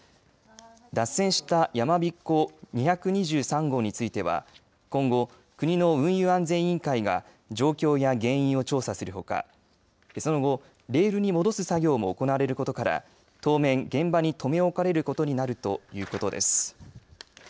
脱線したやまびこ２２３号については今後、国の運輸安全委員会が状況や原因を調査するほかその後レールに戻す作業も行われることから当面、現場に留め置かれることになるということです。